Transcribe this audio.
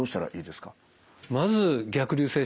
まず逆流性